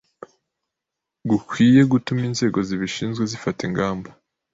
gukwiye gutuma inzego zibishinzwe zifata ingamba.